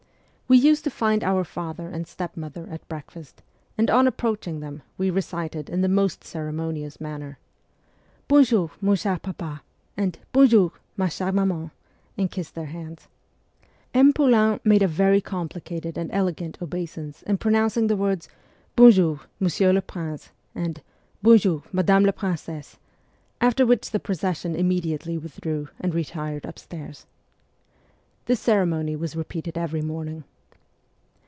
We used to find our father and stepmother at breakfast, and on approaching them we recited in the most ceremonious manner, ' Bon jour, mon cher papa,' and ' Bonjour, ma chere maman,' and kissed their hands. M. Poulain made a very complicated and elegant obeisance in pronouncing the words, ' Bonjour, monsieur le prince,' and ' Bonjour, madame la princesse,' after which the procession imme CHILDHOOD 19 diately withdrew and retired upstairs. This ceremony was repeated every morning.